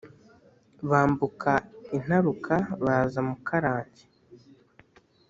Bambuka Intaruka, baza Mukarange;